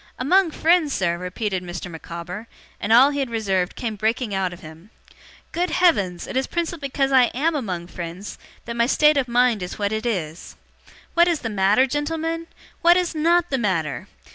'Among friends, sir!' repeated Mr. Micawber; and all he had reserved came breaking out of him. 'Good heavens, it is principally because I AM among friends that my state of mind is what it is. What is the matter, gentlemen? What is NOT the matter?